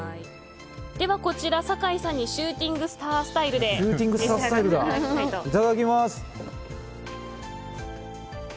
ではこちら、酒井さんにシューティングスタースタイルでいただきます。